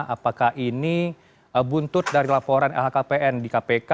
apakah ini buntut dari laporan lhkpn di kpk